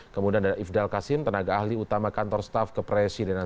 kemudian ada ifdal kasim tenaga ahli utama kantor staf kepresidenan